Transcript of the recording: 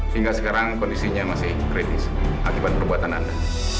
hingga sekarang kondisinya masih kritis akibat perbuatan anda